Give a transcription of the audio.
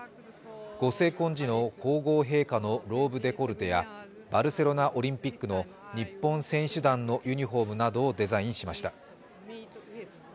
ご成婚時の皇后陛下のローブデコルテやバルセロナオリンピックの日本選手団のユニフォームなどをデザインしました。